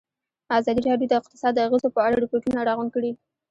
ازادي راډیو د اقتصاد د اغېزو په اړه ریپوټونه راغونډ کړي.